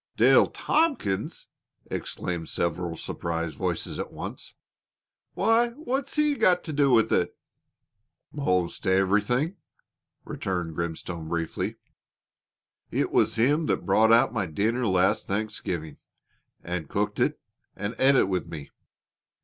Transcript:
"Dale Tompkins!" exclaimed several surprised voices at once. "Why, what's he got to do with it?" "Most everything," returned Grimstone, briefly. "It was him that brought out my dinner last Thanksgivin', an cooked it, an' et it with me.